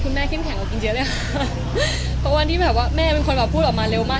คุณแม่ขึ้นแข็งกับกินเยอะเลยฮะพอวันที่แบบว่าแม่เป็นคนแบบพูดออกมาเร็วมาก